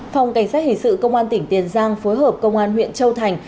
phòng cảnh sát hình sự công an tỉnh tiền giang phối hợp công an huyện châu thành